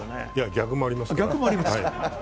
逆もありますね。